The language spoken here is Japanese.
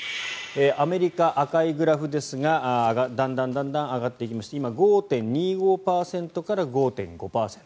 アメリカ、赤いグラフですがだんだん上がっていきまして今、５．２５％から５．５％。